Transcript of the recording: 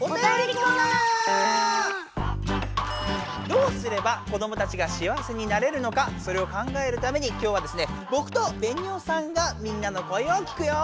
どうすれば子どもたちが幸せになれるのかそれを考えるためにきょうはですねぼくとベニオさんがみんなの声を聞くよ！